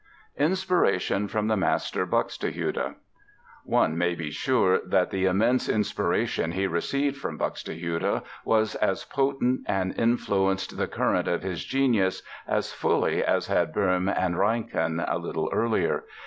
INSPIRATION FROM THE MASTER, BUXTEHUDE One may be sure that the immense inspiration he received from Buxtehude was as potent and influenced the current of his genius as fully as had Böhm and Reinken a little earlier.